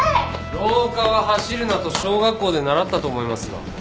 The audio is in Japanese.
廊下は走るなと小学校で習ったと思いますが。